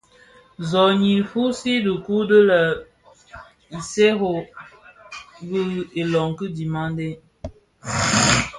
Zohnyi fusii dhikuu di le Isékos bi iloňki dhimandé.